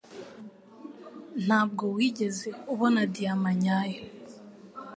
Ntabwo wigeze ubona diyama nyayo.